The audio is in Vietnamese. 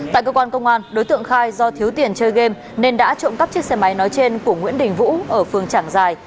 tại cơ quan công an đối tượng khai do thiếu tiền chơi game nên đã trộm cắp chiếc xe máy nói trên của nguyễn đình vũ ở phường trảng giài